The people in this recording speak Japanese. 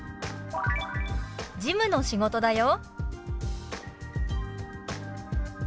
「事務の仕事だよ」。